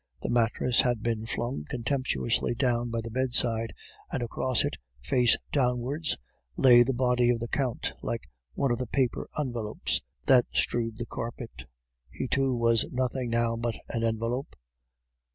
The mattress had been flung contemptuously down by the bedside, and across it, face downwards, lay the body of the Count, like one of the paper envelopes that strewed the carpet he too was nothing now but an envelope.